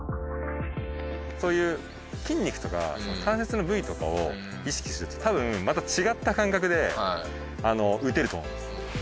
そういう筋肉とか関節の部位とかを意識するとたぶんまた違った感覚で打てると思います。